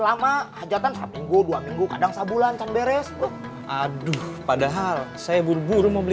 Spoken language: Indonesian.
lama hajatan seminggu dua minggu kadang sabulan kan beres aduh padahal saya buru buru mau beli